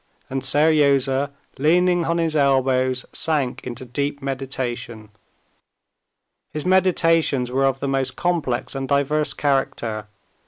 and Seryozha, leaning on his elbows, sank into deep meditation. His meditations were of the most complex and diverse character.